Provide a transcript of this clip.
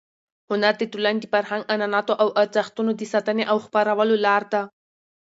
هنر د ټولنې د فرهنګ، عنعناتو او ارزښتونو د ساتنې او خپرولو لار ده.